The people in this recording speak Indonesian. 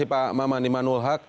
terima kasih pak maman imanul haq